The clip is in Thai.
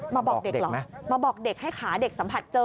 บอกเด็กเหรอมาบอกเด็กให้ขาเด็กสัมผัสเจอ